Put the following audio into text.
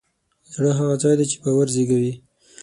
زړه هغه ځای دی چې باور زېږوي.